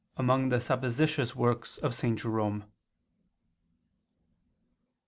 among the supposititious works of St. Jerome].